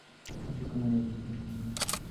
así como la evolución también